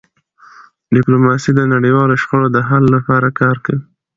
ډيپلوماسي د نړیوالو شخړو د حل لپاره کار کوي.